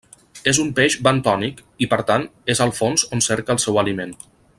És un peix bentònic i, per tant, és al fons on cerca el seu aliment.